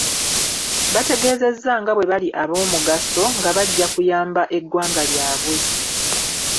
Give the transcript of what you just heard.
Bategeeza nga bwe bali ab'omugaso, nga bajja kuyamba eggwanga lyabwe.